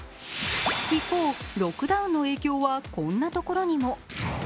一方、ロックダウンの影響はこんなところにも。